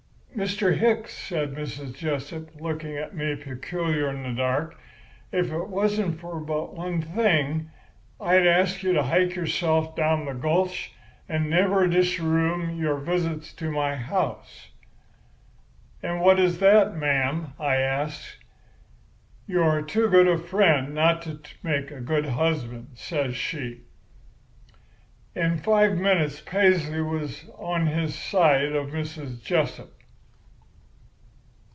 "'Mr. Hicks,' says Mrs. Jessup, looking at me peculiar in the dark, 'if it wasn't for but one thing, I'd ask you to hike yourself down the gulch and never disresume your visits to my house.' "'And what is that, ma'am?' I asks. "'You are too good a friend not to make a good husband,' says she. "In five minutes Paisley was on his side of Mrs. Jessup.